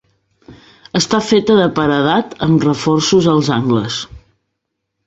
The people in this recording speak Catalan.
Està feta de paredat amb reforços als angles.